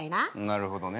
なるほどね。